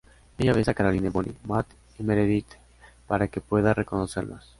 Ella besa a Caroline, Bonnie, Matt y Meredith para que pueda reconocerlos.